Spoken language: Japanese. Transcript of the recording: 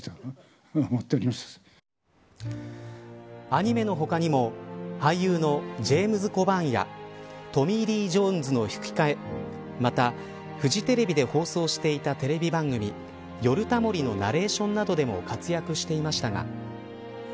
アニメの他にも俳優のジェームズ・コバーンやトミー・リー・ジョーンズの吹き替えまた、フジテレビで放送していたテレビ番組ヨルタモリのナレーションなどでも活躍していましたが。